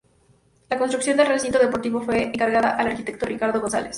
La construcción del recinto deportivo fue encargada al arquitecto Ricardo González.